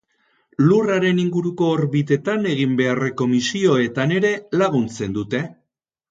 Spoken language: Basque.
Lurraren inguruko orbitetan egin beharreko misioetan ere laguntzen dute.